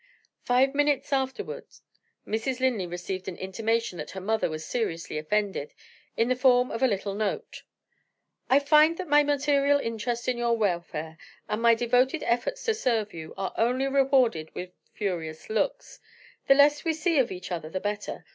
Five minutes afterward, Mrs. Linley received an intimation that her mother was seriously offended, in the form of a little note: "I find that my maternal interest in your welfare, and my devoted efforts to serve you, are only rewarded with furious looks. The less we see of each other the better.